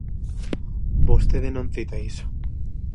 Vostede non cita iso.